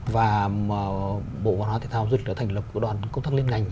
và bộ văn hóa thể tăng và du lịch đã thành lập một đoàn công thức lên ngành